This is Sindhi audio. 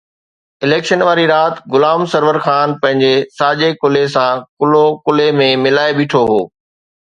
اليڪشن واري رات غلام سرور خان پنهنجي ساڄي ڪلهي سان ڪلهو ڪلهي ۾ ملائي بيٺو هو.